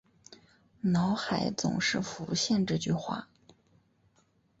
脑海总是浮现这句话